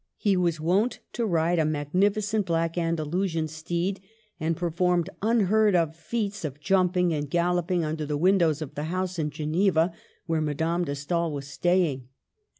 He was wont to ride a* magnifi cent black Andalusian steed, and performed unheard of feats of jumping and galloping under the windows of the house in Geneva where Ma dame de Stael was staying.